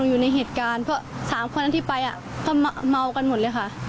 ก็ไม่อยู่ในเหตุการณ์ที่เปล่าข้ามขุ้กันเลยโรงนี้ค่ะ